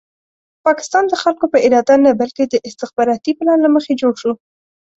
پاکستان د خلکو په اراده نه بلکې د استخباراتي پلان له مخې جوړ شو.